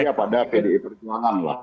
percaya pada pdi perjuangan lah